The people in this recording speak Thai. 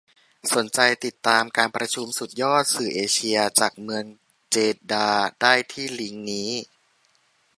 สนใจติดตามการประชุมสุดยอดสื่อเอเชีย จากเมืองเจดดาห์ได้ที่ลิ้งค์นี้